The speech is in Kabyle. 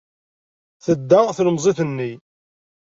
Tedda tlemmiẓt-nni.